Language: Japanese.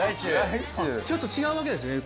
ちょっと違うわけですね